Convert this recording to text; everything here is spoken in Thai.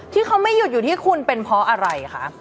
ที่เขาไม่หยุดอยู่ที่คุณเป็นเพราะอะไรคะ